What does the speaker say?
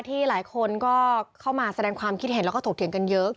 ที่หลายคนก็เข้ามาแสดงความคิดเห็นแล้วก็ถกเถียงกันเยอะ